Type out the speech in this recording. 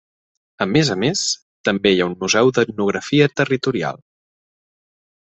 A més a més, també hi ha un museu d'etnografia territorial.